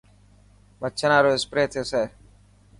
مڇران رو اسپري ٿيسي.